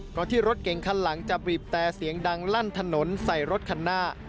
ก่อนที่รถเก่งคันหลังจะบีบแต่เสียงดังลั่นถนนใส่รถคันหน้า